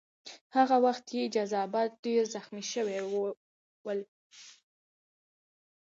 هغه وخت یې جذبات ډېر زخمي شوي ول.